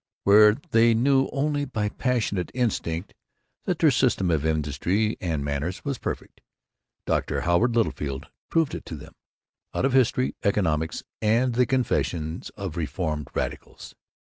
Where they knew only by passionate instinct that their system of industry and manners was perfect, Dr. Howard Littlefield proved it to them, out of history, economics, and the confessions of reformed radicals.